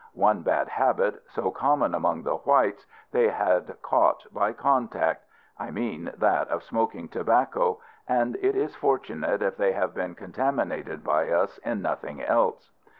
One bad habit, so common among the whites, they had caught by contact: I mean that of smoking tobacco; and it is fortunate if they have been contaminated by us in nothing else.